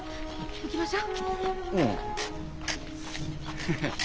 行きましょう。